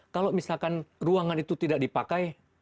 kalau misalkan ruangan itu tidak dipakai